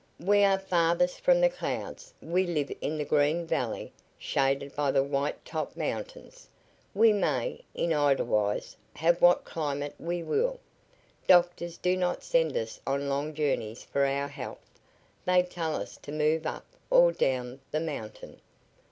"We are farthest from the clouds, for we live in the green valley, shaded by the white topped mountains. We may, in Edelweiss, have what climate we will. Doctors do not send us on long journeys for our health. They tell us to move up or down the mountain.